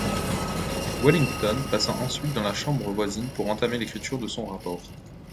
Wellington passa ensuite dans la chambre voisine pour entamer l’écriture de son rapport.